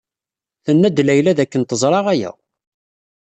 Tenna-d Layla dakken teẓra aya.